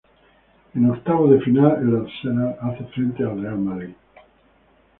En Octavos de final, el Arsenal hace frente al Real Madrid.